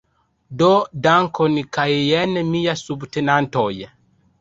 Do dankon kaj jen mia subtenantoj